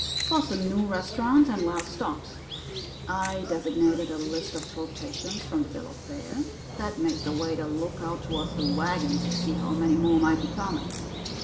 "'Twas a new restaurant and well stocked. I designated a list of quotations from the bill of fare that made the waiter look out toward the wagon to see how many more might be coming.